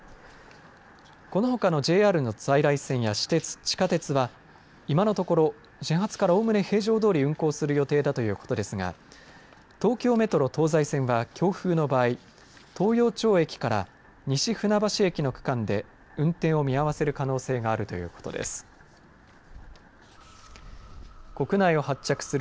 このほかのＪＲの在来線や私鉄、地下鉄は今のところ始発から、おおむね平常どおり運行する予定だということですが東京メトロ東西線は強風の場合東陽町駅から西船橋駅の区間で運転を見合わせる可能性があるということです。